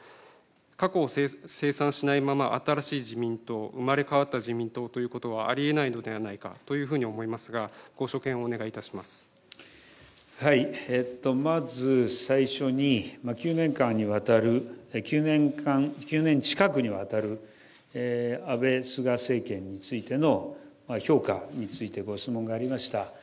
過去を清算しないまま新しい自民党、生まれ変わった自民党ということはありえないのではないかというふうに思いますが、ご所見をまず最初に、９年間にわたる、９年近くにわたる安倍・菅政権についての評価についてご質問がありました。